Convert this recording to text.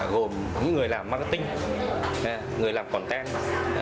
gồm những người làm marketing người làm content